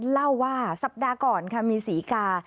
เล่าว่าสัปดาห์ก่อนค่ะมีศรีกา